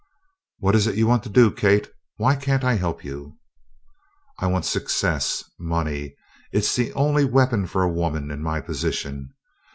"What is it you want to do, Kate? Why can't I help you?" "I want success money! It's the only weapon for a woman in my position.